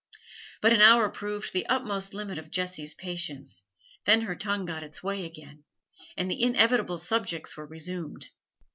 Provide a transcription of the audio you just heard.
But an hour proved the utmost limit of Jessie's patience, then her tongue got its way again, and the inevitable subjects were resumed.